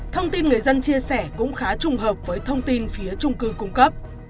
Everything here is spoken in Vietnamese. thông tin người dân chia sẻ cũng khá trùng hợp với thông tin phía trung cư cung cấp